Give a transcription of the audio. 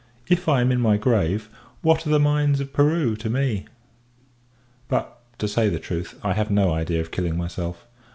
If I am in my grave, what are the mines of Peru to me! But, to say the truth, I have no idea of killing myself.